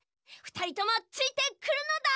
ふたりともついてくるのだ！